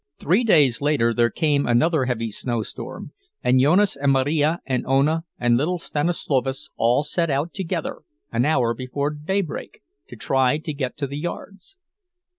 Three days later there came another heavy snowstorm, and Jonas and Marija and Ona and little Stanislovas all set out together, an hour before daybreak, to try to get to the yards.